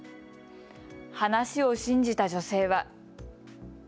話を信じた女性は。